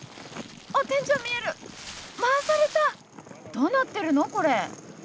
どうなってるのこれ？